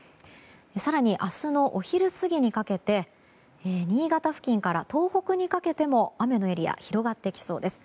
更に明日のお昼過ぎにかけて新潟付近から東北にかけても雨のエリアが広がってきそうです。